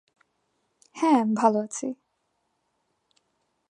হ্যাঁ, আমি ভালো আছি।